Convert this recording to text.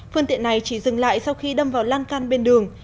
phương tiện này chỉ dừng lại sau khi đâm vào lan can bên đường